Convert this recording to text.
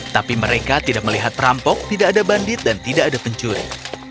tapi mereka tidak melihat perampok tidak ada bandit dan tidak ada pencuri